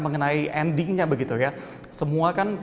mengenai endingnya begitu ya semua kan